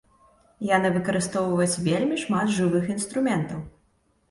Яны выкарыстоўваюць вельмі шмат жывых інструментаў.